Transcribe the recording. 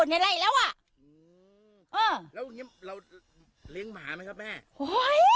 ในไล่แล้วอ่ะอือแล้วเรียงเราเลี้ยงหมามั้ยครับแม่โอ้ย